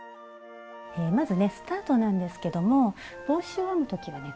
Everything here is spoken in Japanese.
まずねスタートなんですけども帽子を編む時はね